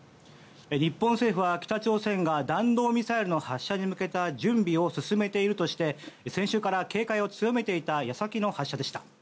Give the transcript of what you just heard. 日本政府は北朝鮮が弾道ミサイルの発射に向けた準備を進めているとして先週から警戒を強めていた矢先の発射でした。